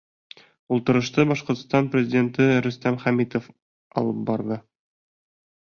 Ултырышты Башҡортостан Президенты Рөстәм Хәмитов алып барҙы.